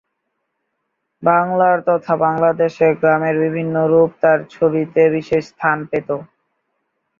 বাংলার তথা বাংলাদেশের গ্রামের বিভিন্ন রূপ তার ছবিতে বিশেষ স্থান পেত।